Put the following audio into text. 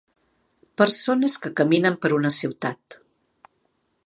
Persones que caminen per una ciutat.